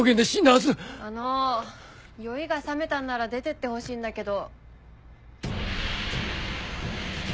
あのう酔いがさめたんなら出てってほしいんだけど。